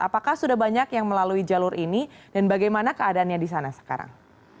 apakah sudah banyak yang melalui jalur ini dan bagaimana keadaannya di sana sekarang